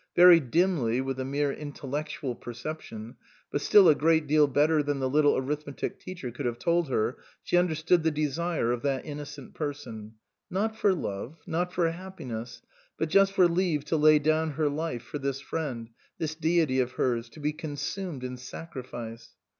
Very dimly, with a mere intellectual perception, but still a great deal better than the little arith metic teacher could have told her, she under stood the desire of that innocent person, not for love, not for happiness, but just for leave to lay down her life for this friend, this deity of hers, to be consumed in sacrifice.